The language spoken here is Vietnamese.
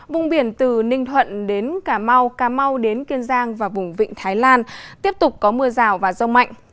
vùng biển từ ninh thuận đến cà mau cà mau đến kiên giang và vùng vịnh thái lan tiếp tục có mưa rào và rông mạnh